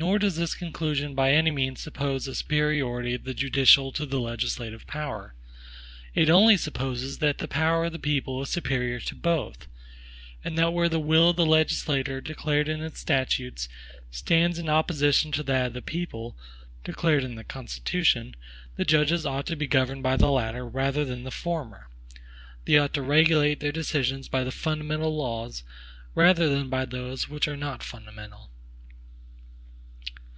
Nor does this conclusion by any means suppose a superiority of the judicial to the legislative power. It only supposes that the power of the people is superior to both; and that where the will of the legislature, declared in its statutes, stands in opposition to that of the people, declared in the Constitution, the judges ought to be governed by the latter rather than the former. They ought to regulate their decisions by the fundamental laws, rather than by those which are not fundamental.